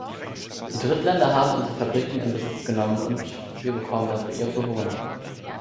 Die Drittländer haben unsere Fabriken in Besitz genommen und wir bekommen dafür ihre Bewohner.